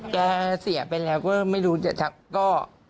แต่เสียไปแล้วก็ไม่รู้จะทำก็